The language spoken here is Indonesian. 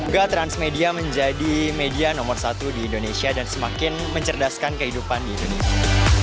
gua transmedia menjadi media nomor satu di indonesia dan semakin mencerdaskan kehidupan di indonesia